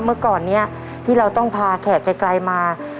เมื่อก่อนนี้ที่เราต้องพาแขกไกลมา